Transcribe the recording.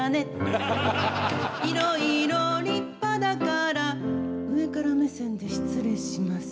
「いろいろ立派だから」「上から目線で失礼します」